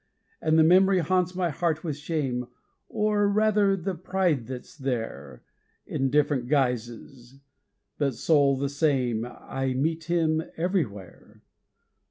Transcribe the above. And the memory haunts my heart with shame Or, rather, the pride that's there; In different guises, but soul the same, I meet him everywhere.